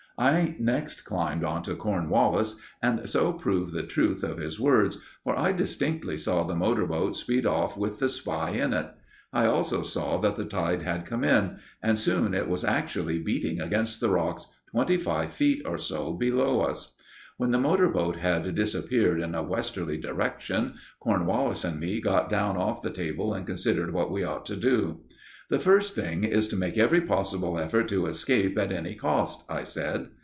I next climbed on to Cornwallis, and so proved the truth of his words, for I distinctly saw the motor boat speed off with the spy in it. I also saw that the tide had come in, and soon it was actually beating against the rocks twenty five feet or so below us. When the motor boat had disappeared in a westerly direction, Cornwallis and me got down off the table and considered what we ought to do. "The first thing is to make every possible effort to escape at any cost," I said.